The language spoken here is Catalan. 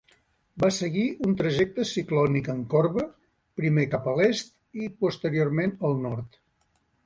Va seguir un trajecte ciclònic en corba, primer cap a l'est i posteriorment al nord.